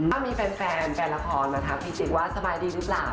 ก็มีแฟนแฟนละครมาทักพี่จิ๊กว่าสบายดีหรือเปล่า